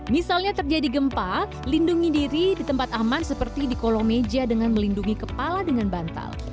misalnya terjadi gempa lindungi diri di tempat aman seperti di kolong meja dengan melindungi kepala dengan bantal